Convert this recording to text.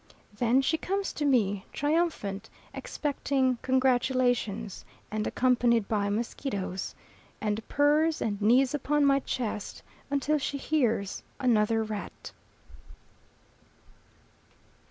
Then she comes to me, triumphant, expecting congratulations, and accompanied by mosquitoes, and purrs and kneads upon my chest until she hears another rat.